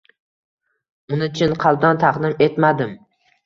Uni chin qalbdan taqdim etmadim.